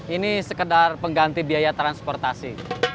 ini sekedar pengganti biaya transportasi